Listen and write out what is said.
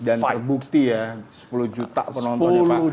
dan terbukti ya sepuluh juta penontonnya pak